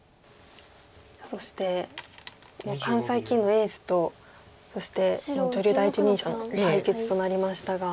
さあそして関西棋院のエースとそして女流第一人者の対決となりましたが。